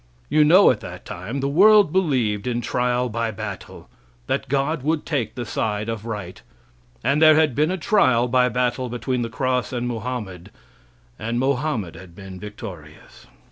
You know at that time the world believed in trial by battle that God would take the side of right and there had been a trial by battle between the Cross and Mohammed, and Mohammed had been victorious.